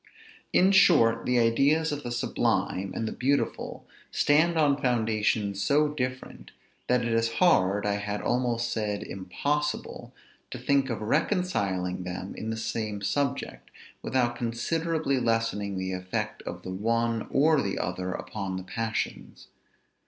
In short, the ideas of the sublime and the beautiful stand on foundations so different, that it is hard, I had almost said impossible, to think of reconciling them in the same subject, without considerably lessening the effect of the one or the other upon the passions.